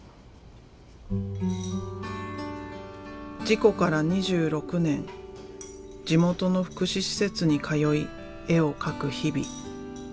事故から２６年地元の福祉施設に通い絵を描く日々。